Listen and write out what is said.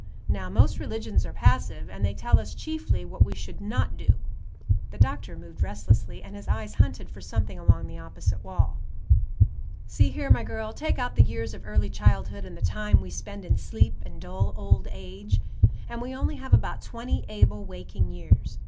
Now, most religions are passive, and they tell us chiefly what we should not do." The doctor moved restlessly, and his eyes hunted for something along the opposite wall: "See here, my girl, take out the years of early childhood and the time we spend in sleep and dull old age, and we only have about twenty able, waking years.